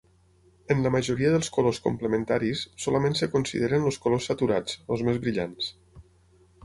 En la majoria dels colors complementaris, solament es consideren els colors saturats, els més brillants.